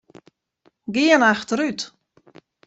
Gean achterút.